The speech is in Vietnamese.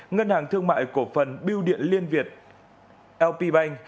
ngân hàng thương mại cổ phần biêu điện liên việt lpbank